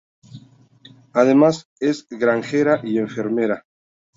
Además es granjera y enfermera.